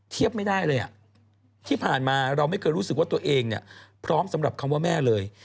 เทียบไม่ได้เลยที่ผ่านมาเราไม่เคยรู้สึกว่าตัวเองเนี่ยพร้อมสำหรับคำว่าแม่เลย